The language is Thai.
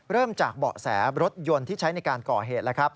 เริ่มจากเบาะแสรถยนต์ที่ใช้ในการก่อเหตุแล้วครับ